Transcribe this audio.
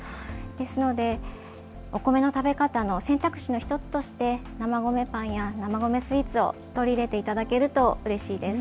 ですのでお米の食べ方の選択肢の１つとして生米パンや生米スイーツを取り入れていただけるとうれしいです。